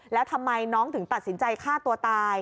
แล้วทำไมน้องถึงตัดสินใจฆ่าตัวตาย